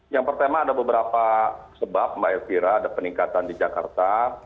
yang pertama ada beberapa sebab mbak elvira ada peningkatan di jakarta